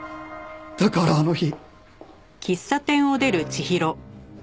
だからあの日。